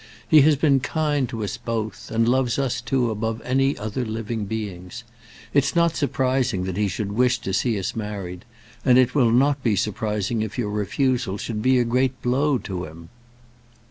He has been kind to us both, and loves us two above any other living beings. It's not surprising that he should wish to see us married, and it will not be surprising if your refusal should be a great blow to him."